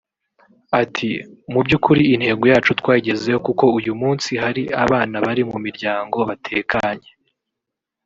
Ati“Mu by’ukuri intego yacu twayigezeho kuko uyu munsi hari abana bari mu miryango batekanye